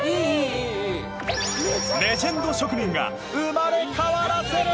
レジェンド職人が生まれ変わらせる！